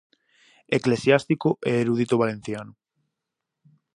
Eclesiástico e erudito valenciano.